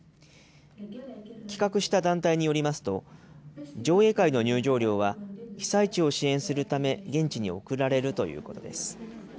企画した団体によりますと、上映会の入場料は、被災地を支援するため、現地に送られるということです。